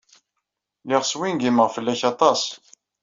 Lliɣ swingimeɣ fell-ak aṭas.